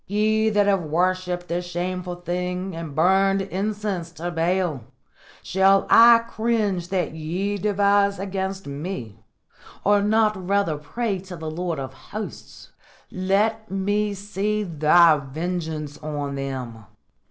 Ye that have worshipped the shameful thing and burned incense to Baal shall I cringe that ye devise against me, or not rather pray to the Lord of Hosts, 'Let me see Thy vengeance on them'?